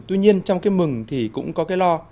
tuy nhiên trong cái mừng thì cũng có cái lo